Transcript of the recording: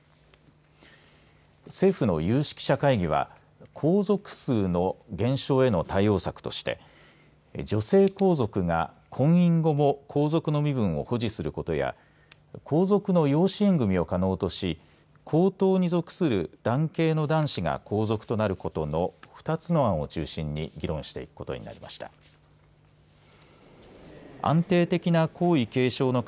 政府の有識者会議は皇族数の減少への対応策として女性皇族が婚姻後も皇族の身分を保持することや皇族の養子縁組を可能とし皇統に属する男系の男子が皇族となることの２つの案を中心に議論していくことになりました。